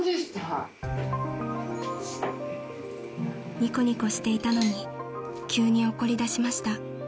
［ニコニコしていたのに急に怒りだしました］